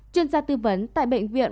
chuyên gia tư vấn tại bệnh viện